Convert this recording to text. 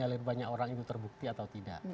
nah disini banyak orang itu terbukti atau tidak